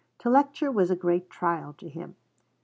To lecture was a great trial to him.